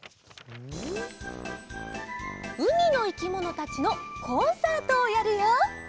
「うみのいきものたちのコンサートをやるよ！